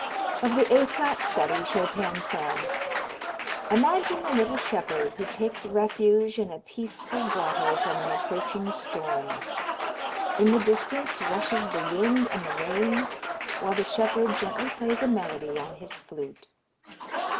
Of the A flat Study Chopin said: "Imagine a little shepherd who takes refuge in a peaceful grotto from an approaching storm. In the distance rushes the wind and the rain, while the shepherd gently plays a melody on his flute."